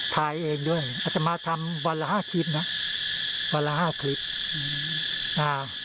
ทำทุกวัน